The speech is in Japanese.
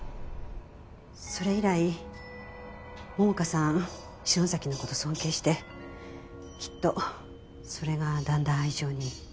それ以来桃花さん篠崎の事を尊敬してきっとそれがだんだん愛情に。